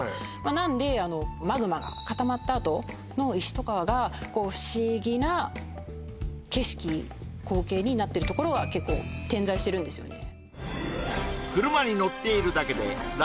なんであのマグマが固まったあとの石とかがこう不思議な景色光景になってるところが結構点在してるんですよね